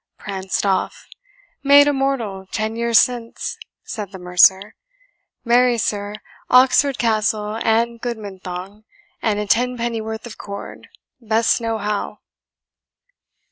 "Pranced off made immortal ten years since," said the mercer; "marry, sir, Oxford Castle and Goodman Thong, and a tenpenny worth of cord, best know how."